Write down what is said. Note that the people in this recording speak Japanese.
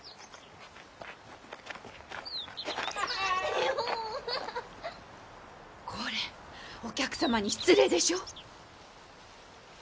これお客様に失礼でしょう。